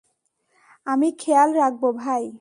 আমি খেয়াল রাখব, ভাই।